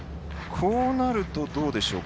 こうなるとどうでしょうか